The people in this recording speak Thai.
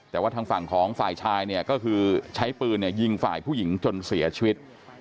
แต่ว่าทางฝั่งของฝ่ายชายเนี่ยก็คือใช้ปืนยิงฝ่ายผู้หญิงจนเสียชีวิต